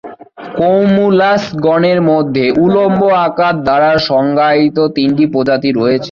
কৌমুলাস গণের মধ্যে উল্লম্ব আকার দ্বারা সংজ্ঞায়িত তিনটি প্রজাতি রয়েছে।